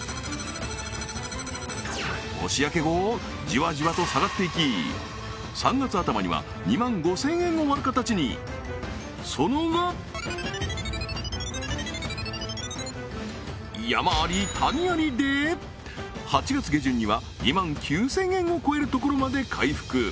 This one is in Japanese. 年明け後３月頭には２万５０００円を割る形にその後山あり谷ありで８月下旬には２万９０００円を超えるところまで回復